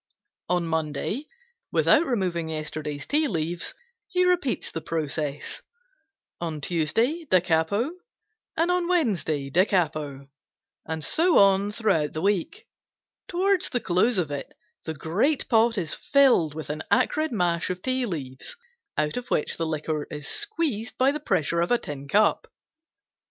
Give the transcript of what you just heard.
On Monday, without removing yesterday's tea leaves, he repeats the process; on Tuesday da capo and on Wednesday da capo, and so on through the week. Toward the close of it the great pot is filled with an acrid mash of tea leaves, out of which the liquor is squeezed by the pressure of a tin cup.